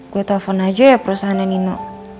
gue telepon aja ya perusahaannya nino